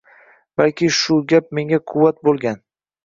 Balki shu gap menga quvvat bo‘lgan